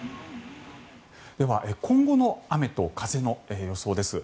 では、今後の雨と風の予想です。